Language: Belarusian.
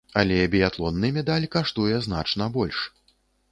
Але біятлонны медаль каштуе значна больш.